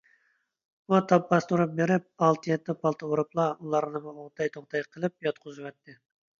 ئۇ تاپ باستۇرۇپ بېرىپ، ئالتە - يەتتە پالتا ئۇرۇپلا ئۇلارنىمۇ ئوڭتەي - توڭتەي قىلىپ ياتقۇزۇۋەتتى.